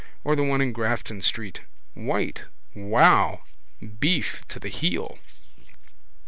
Or the one in Grafton street. White. Wow! Beef to the heel.